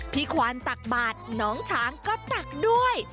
ควานตักบาทน้องช้างก็ตักด้วย